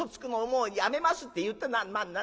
『もうやめます』って言って。